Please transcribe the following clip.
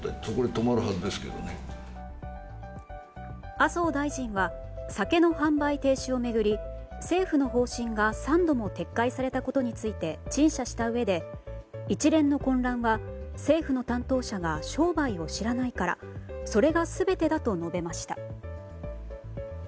麻生大臣は酒の販売停止を巡り政府の方針が３度も撤回されたことについて陳謝したうえで一連の混乱は政府の担当者が商売を知らないからそれが全てだと述べました。